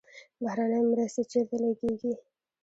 بهرنۍ مرستې چیرته لګیږي؟